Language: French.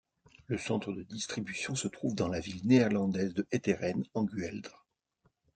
Le centre de distribution se trouve dans la ville néerlandaise de Heteren, en Gueldre.